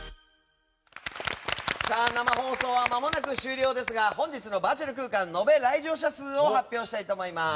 生放送はまもなく終了ですが本日のバーチャル空間延べ来場者数を発表したいと思います。